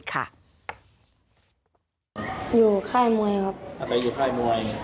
อยู่ค่ายมวยครับอาจจะอยู่ค่ายมวยครับ